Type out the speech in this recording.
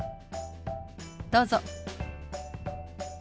どうぞ。